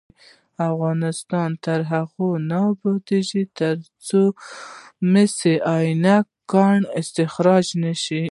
افغانستان تر هغو نه ابادیږي، ترڅو د مس عینک کان استخراج نشي.